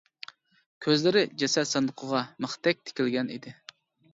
كۆزلىرى جەسەت ساندۇقىغا مىختەك تىكىلگەن ئىدى.